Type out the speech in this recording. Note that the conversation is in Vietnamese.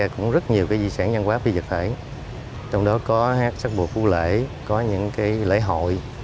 các buổi phụ lễ có những lễ hội